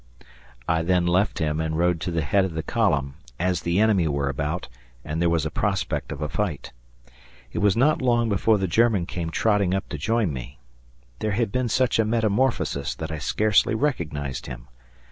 I then left him and rode to the head of the column, as the enemy were about, and there was a prospect of a fight. It was not long before the German came trotting up to join me. There had been such a metamorphosis that I scarcely recognized him.